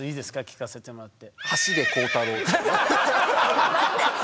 聞かせてもらって。